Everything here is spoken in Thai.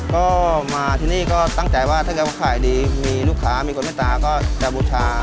ก็มาที่นี่ก็ตั้งใจว่าถ้าเกิดว่าขายดีมีลูกค้ามีคนไม่ตาก็จะบูชา